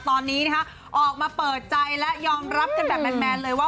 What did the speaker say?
ตอนนี้นะคะออกมาเปิดใจและยอมรับกันแบบแมนเลยว่า